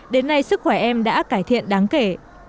đến nay sức khỏe em đã cải thiện đáng kể